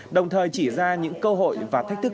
đồng thời chỉ ra những cơ hội và thách thức